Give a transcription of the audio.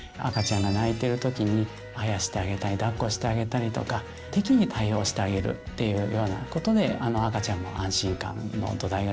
赤ちゃんが泣いてる時にあやしてあげたりだっこしてあげたりとか適宜対応してあげるっていうようなことで赤ちゃんの安心感の土台ができてくると思います。